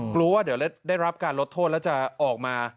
กลัวว่าเดี๋ยวได้รับการลดโทษแล้วจะออกมา